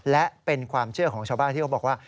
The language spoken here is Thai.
และเป็นความเชื่อของชาวบ้านที่เขาบอกว่า